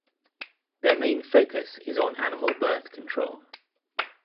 Their main focus is on animal birth control.